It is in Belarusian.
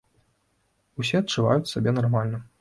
Усе адчуваюць сябе нармальна.